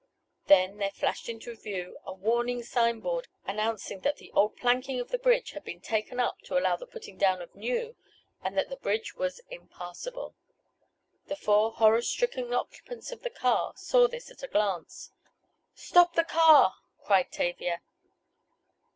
Then, there flashed into view a warning signboard announcing that the old planking of the bridge had been taken up to allow the putting down of new, and that the bridge was impassable. The four horror stricken occupants of the car saw this at a glance. "Stop the car!" cried Tavia.